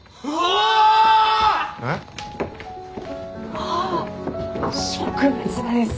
ああ植物画です。